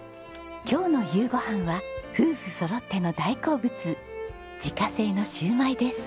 今日の夕ご飯は夫婦そろっての大好物自家製のシューマイです。